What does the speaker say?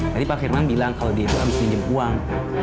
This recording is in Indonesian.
tadi pak firman bilang kalau dia itu habis pinjam uang